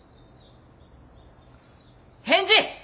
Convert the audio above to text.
返事！